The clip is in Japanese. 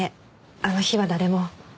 あの日は誰も。